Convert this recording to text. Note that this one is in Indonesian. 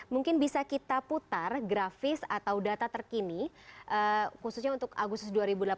mungkin bisa kita putar grafis atau data terkini khususnya untuk agustus dua ribu delapan belas